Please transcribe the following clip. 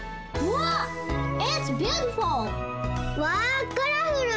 わあカラフル！